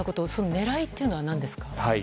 狙いというのは何ですか。